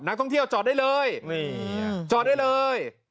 ท่องเที่ยวจอดได้เลยจอดได้เลย